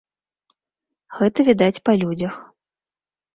Гэта відаць па людзях.